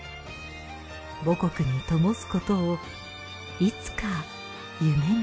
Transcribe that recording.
母国にともすことをいつか夢見て。